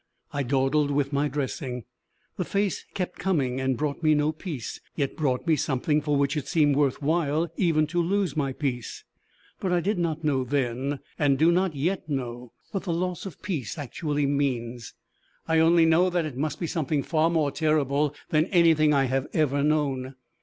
I dawdled with my dressing. The face kept coming, and brought me no peace, yet brought me something for which it seemed worth while even to lose my peace. But I did not know then, and do not yet know what the loss of peace actually means. I only know that it must be something far more terrible than anything I have ever known.